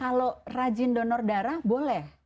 kalau rajin donor darah boleh